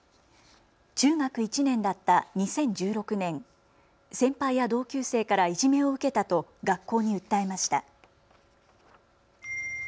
中学１年だった２０１６年、先輩や同級生からいじめを受けたと学校に訴えました。